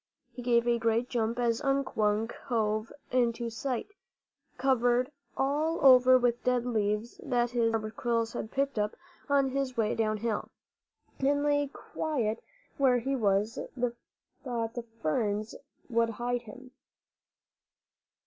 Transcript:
He gave a great jump as Unk Wunk hove into sight, covered all over with the dead leaves that his barbed quills had picked up on his way downhill, and lay quiet where he thought the ferns would hide him.